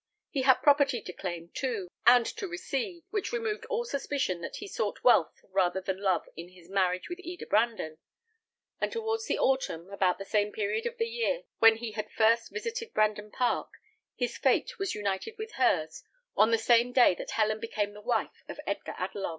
He had property to claim, too, and to receive, which removed all suspicion that he sought wealth rather than love in his marriage with Eda Brandon; and towards the autumn, about the same period of the year when he had first visited Brandon Park, his fate was united with hers, on the same day that Helen became the wife of Edgar Adelon.